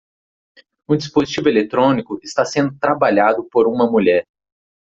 Um dispositivo eletrônico está sendo trabalhado por uma mulher.